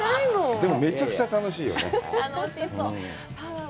でも、めちゃくちゃ楽しいよね。